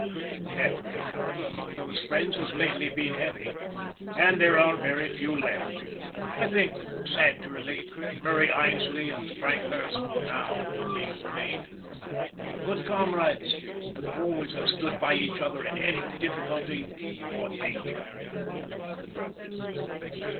The death rate, however, among those friends has lately been heavy, and there are very few left (I think, sad to relate, Murray Aynsley and Frank Hurst now only remain) of the good comrades, who would always have stood by each other in any difficulty or danger.